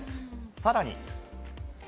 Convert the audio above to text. さらに。